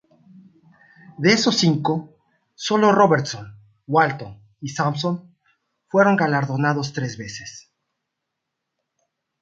De esos cinco, sólo Robertson, Walton y Sampson fueron galardonados tres veces.